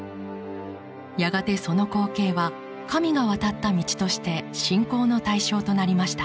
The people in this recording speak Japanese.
やがてその光景は神が渡った道として信仰の対象となりました。